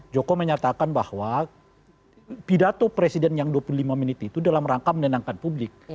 joko menyatakan bahwa pidato presiden yang dua puluh lima menit itu dalam rangka menenangkan publik